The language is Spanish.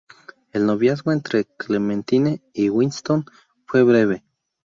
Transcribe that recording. El noviazgo entre Clementine y Winston fue breve.